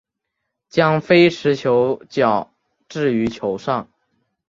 将非持球脚置于球上。